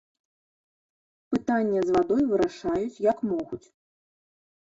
Пытанне з вадой вырашаюць, як могуць.